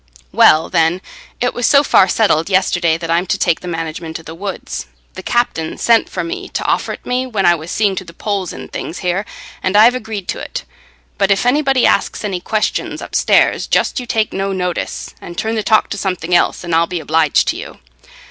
"Well, then, it was so far settled yesterday that I'm to take the management o' the woods. The captain sent for me t' offer it me, when I was seeing to the poles and things here and I've agreed to't. But if anybody asks any questions upstairs, just you take no notice, and turn the talk to something else, and I'll be obliged to you.